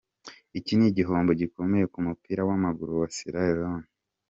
Iki ni igihombo gikomeye ku mupira w'amaguru wa Sierra Leone.